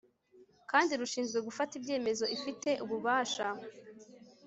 kandi rushinzwe gufata ibyemezo Ifite ububasha